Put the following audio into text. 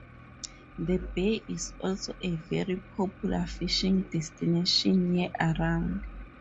The Bay is also a very popular fishing destination year-round.